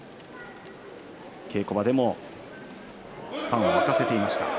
稽古場でもファンを沸かせていました。